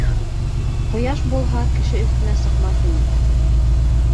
Ҡояш булһа, кеше өҫтөнә сыҡмаҫ ине.